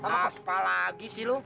apa lagi sih lu